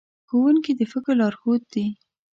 ښوونکي د فکر لارښود دي.